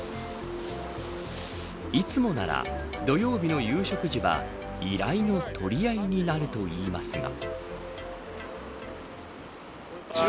いつもなら土曜日の夕食時は依頼の取り合いになるといいますが。